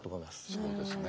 そうですね。